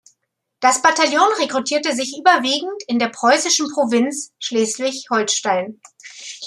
Das Bataillon rekrutierte sich überwiegend in der preußischen Provinz Schleswig-Holstein.